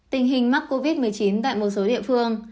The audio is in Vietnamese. tình hình mắc covid một mươi chín tại một số địa phương